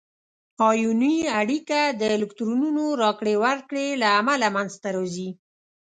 آیوني اړیکه د الکترونونو راکړې ورکړې له امله منځ ته راځي.